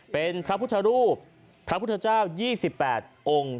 เป็นพระพุทธรูปพระพุทธเจ้า๒๘องค์